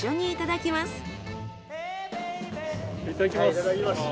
いただきます。